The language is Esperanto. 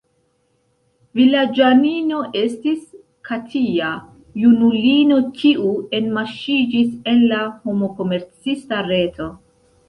Vilaĝanino estis Katja, junulino, kiu enmaŝiĝis en la homkomercista reto.